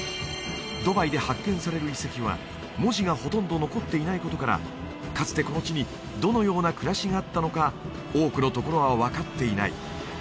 ドバイで発見される遺跡は文字がほとんど残っていないことからかつてこの地にどのような暮らしがあったのか多くのところは分かっていない